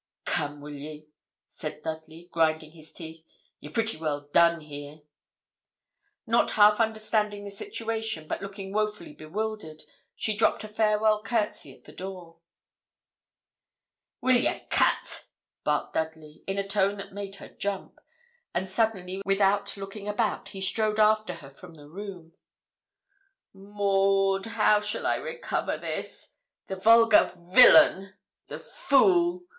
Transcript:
'Come, will ye?' said Dudley, grinding his teeth. 'You're pretty well done here.' Not half understanding the situation, but looking woefully bewildered, she dropped a farewell courtesy at the door. 'Will ye cut?' barked Dudley, in a tone that made her jump; and suddenly, without looking about, he strode after her from the room. 'Maud, how shall I recover this? The vulgar villain the fool!